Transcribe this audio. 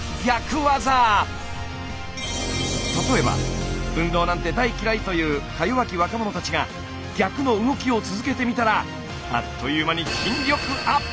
例えば運動なんて大嫌いというかよわき若者たちが逆の動きを続けてみたらあっという間に筋力アップ！